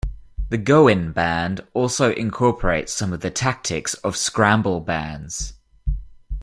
The Goin' Band also incorporates some of the tactics of scramble bands.